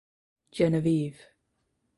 Genevieve.